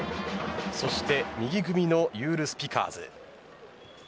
そして右組みのユール・スピカーズ。